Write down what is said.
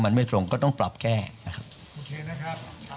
มันไม่ตรงก็ต้องปรับแก้นะครับ